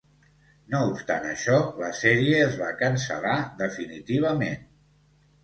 No obstant això, la sèrie es va cancel·lar definitivament.